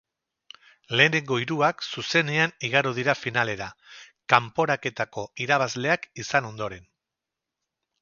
Lehenengo hiruak zuzenean igaro dira finalera, kanporaketako irabazleak izan ondoren.